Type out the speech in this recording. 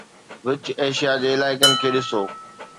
وچ Asia جي علائقن کي ڏسو